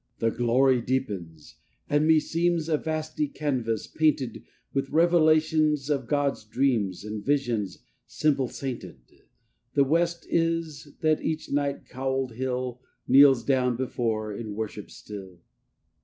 III The glory deepens; and, meseems, A vasty canvas, painted With revelations of God's dreams And visions symbol sainted, The west is, that each night cowled hill Kneels down before in worship still.